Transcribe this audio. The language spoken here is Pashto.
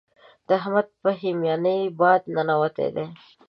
د احمد په هميانۍ باد ننوتی دی.